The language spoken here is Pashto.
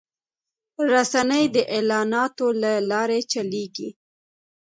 رسنۍ د اعلاناتو له لارې چلېږي